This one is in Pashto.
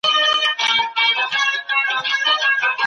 ماشومان باید په سالمه فضا کي لوی سي.